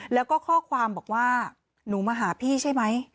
แล้วก็ข้อความบอกว่าหนูมาหาพี่ใช่ไหม